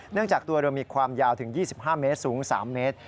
จากตัวเรามีความยาวถึง๒๕เมตรสูง๓เมตร